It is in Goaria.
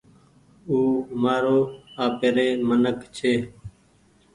او مآرو آپيري منک ڇي